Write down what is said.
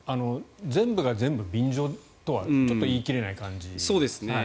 全部が全部便乗とはちょっと言い切れない感じ。